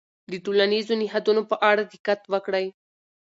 د ټولنیزو نهادونو په اړه دقت وکړئ.